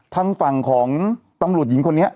ทางฝั่งของตำรวจหญิงคนนี้